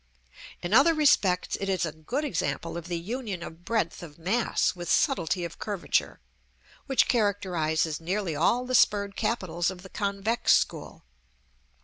In other respects it is a good example of the union of breadth of mass with subtlety of curvature, which characterises nearly all the spurred capitals of the convex school.